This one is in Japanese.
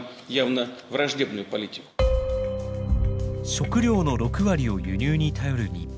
食料の６割を輸入に頼る日本。